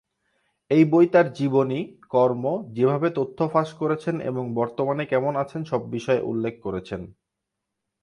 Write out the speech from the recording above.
এই বই তার জীবনী, কর্ম, যেভাবে তথ্য ফাঁস করেছেন এবং বর্তমানে কেমন আছেন সব বিষয় উল্লেখ করেছেন।